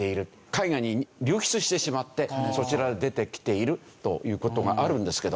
海外に流出してしまってそちらで出てきているという事があるんですけど。